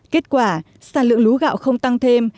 kết quả sản lượng lúa gạo không tăng thêm